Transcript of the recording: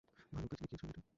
ভাল কাজ দেখিয়েছ, রিটা!